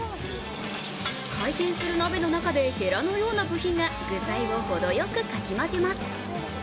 回転する鍋の中でへらのような部品が具材をほどよくかき混ぜます。